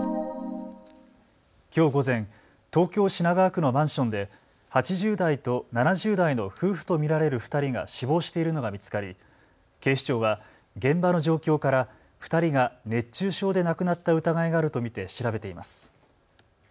きょう午前、東京品川区のマンションで８０代と７０代の夫婦と見られる２人が死亡しているのが見つかり警視庁は現場の状況から２人が熱中症で亡くなった疑いがあると見て調べています。